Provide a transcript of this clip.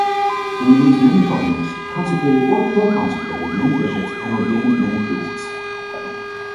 He named many cardinals, consecrated or co-consecrated many bishops, and ordained many priests.